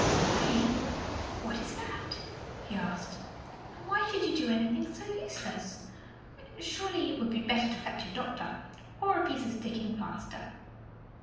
"Crying? What is that?" he asked. "And why should you do anything so useless? Surely, it would be better to fetch a doctor or a piece of sticking plaster."